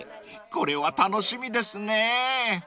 これは楽しみですね］